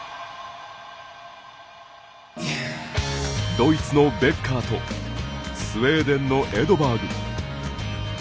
ドイツのベッカーとスウェーデンのエドバーグ。